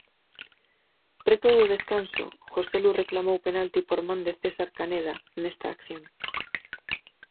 Preto do descanso Joselu reclamou penalti por man de César Caneda nesta acción.